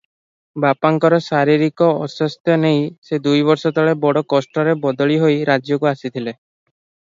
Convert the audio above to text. ବାପାଙ୍କର ଶାରୀରିକ ଅସ୍ୱାସ୍ଥ୍ୟ ନେଇ ସେ ଦୁଇବର୍ଷ ତଳେ ବଡ଼ କଷ୍ଟରେ ବଦଳି ହୋଇ ରାଜ୍ୟକୁ ଆସିଥିଲେ!